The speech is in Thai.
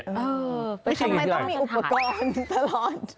ทำไมต้องมีอุปกรณ์ตลอด